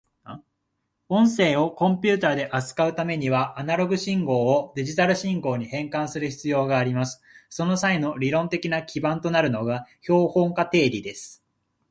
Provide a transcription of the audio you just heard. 音声をコンピュータで扱うためには、アナログ信号をデジタル信号に変換する必要があります。その際の理論的な基盤となるのが標本化定理です。